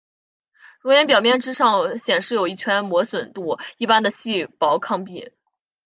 熔岩表面之上显示有一圈磨损度一般的细薄坑壁。